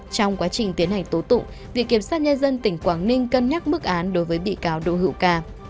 trong quá trình tiến hành tố tụng viện kiểm sát nhân dân tỉnh quảng ninh cân nhắc mức án đối với bị cáo đỗ hữu ca